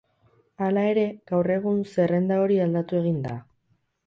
Hala ere, gaur egun zerrenda hori aldatu egin da.